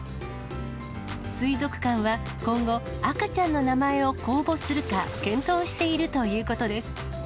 水族館は今後、赤ちゃんの名前を公募するか、検討しているということです。